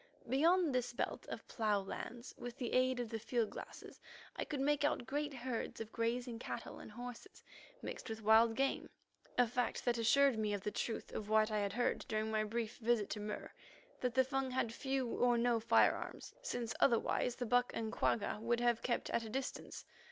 Beyond this belt of plough lands, with the aid of the field glasses, I could make out great herds of grazing cattle and horses, mixed with wild game, a fact that assured me of the truth of what I had heard during my brief visit to Mur, that the Fung had few or no firearms, since otherwise the buck and quagga would have kept at a distance.